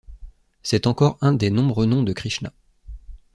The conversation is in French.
C'est encore un des nombreux noms de Krishna.